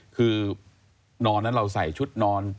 คือนอนนั้นเราใส่ชุดนอน